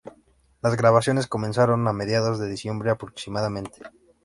Las grabaciones comenzaron a mediados de diciembre, aproximadamente.